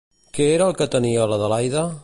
Què era el que tenia l'Adelaida?